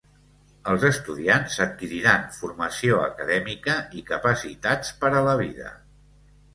Els estudiants adquiriran formació acadèmica i capacitats per a la vida.